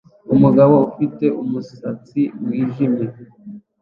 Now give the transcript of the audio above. Umugabo ufite umusatsi wijimye